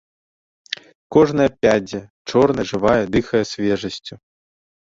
Кожная пядзя, чорная, жывая, дыхае свежасцю.